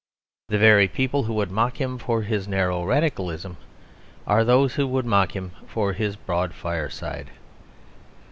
The very people who would mock him for his narrow radicalism are those who would mock him for his broad fireside.